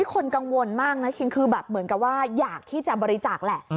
คนกังวลมากนะคิงคือแบบเหมือนกับว่าอยากที่จะบริจาคแหละ